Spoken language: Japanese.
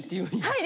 はい！